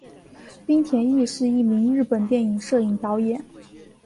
滨田毅是一名日本电影摄影导演。